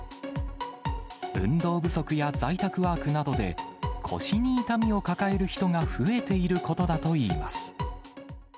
運動不足や在宅ワークなどで、腰に痛みを抱える人が増えていることだといいます。